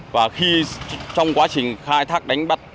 và khi trong quá trình khai thác đánh bắt